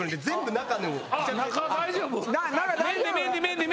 中大丈夫？